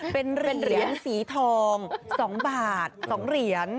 เป็นเหรียญสีทอง๒บาท๒เหรียญ